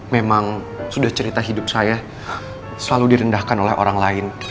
memang sudah cerita hidup saya selalu direndahkan oleh orang lain